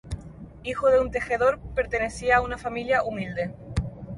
Hijo de un tejedor, pertenecía a una familia humilde.